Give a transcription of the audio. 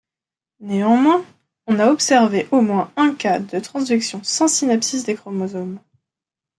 Néanmoins, on a observé au moins un cas de transvection sans synapsis des chromosomes.